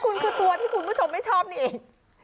คุณคือตัวที่คุณผู้ชมไม่ชอบนี่เอง